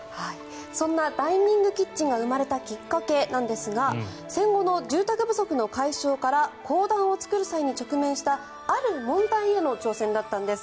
そんなダイニングキッチンが生まれたきっかけだったんですが戦後の住宅不足の解消から公団を作る際に直面したある問題への挑戦だったんです。